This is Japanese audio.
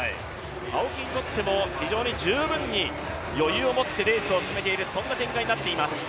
青木にとっても非常に十分に余裕を持ってレースを進めている展開になっています。